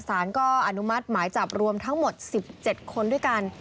สารก็อนุมัติหมายจับรวมทั้งหมด๑๗คนด้วยกัน